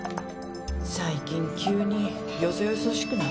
最近急によそよそしくなって。